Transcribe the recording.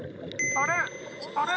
あれ？